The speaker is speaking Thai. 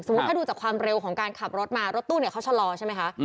ถ้าดูจากความเร็วของการขับรถมารถตู้เนี่ยเขาชะลอใช่ไหมคะ